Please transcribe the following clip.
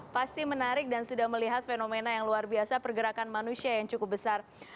pasti menarik dan sudah melihat fenomena yang luar biasa pergerakan manusia yang cukup besar